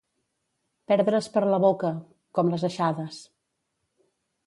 Perdre's per la boca... com les aixades.